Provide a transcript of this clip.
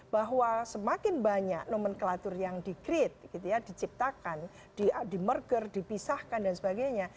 bahwa semakin banyak nomenklatur yang di create diciptakan di merger dipisahkan dan sebagainya